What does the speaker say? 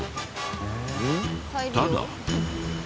ただ。